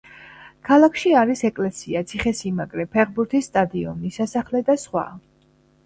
ქალაქში არის ეკლესია, ციხესიმაგრე, ფეხბურთის სტადიონი, სასახლე და სხვა.